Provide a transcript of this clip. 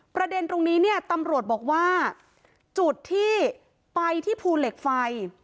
ประเด็นตรงนี้เนี่ยตำรวจบอกว่าจุดที่ไปที่ภูเหล็กไฟ